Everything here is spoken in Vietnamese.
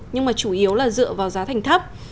nhưng mà chủ yếu là dựa vào giá thành thấp